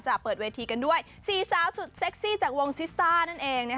เปิดเวทีกันด้วย๔สาวสุดเซ็กซี่จากวงซิสต้านั่นเอง